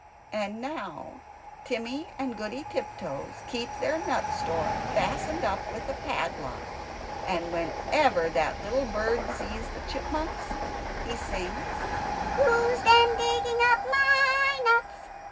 And now Timmy and Goody Tiptoes keep their nut store fastened up with a little padlock. And whenever that little bird sees the Chipmunks, he sings "Who's been digging up MY nuts?